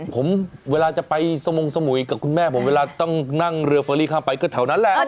ผมเวลาจะไปสมงสมุยกับคุณแม่ผมเวลาต้องนั่งเรือเฟอรี่ข้ามไปก็แถวนั้นแหละ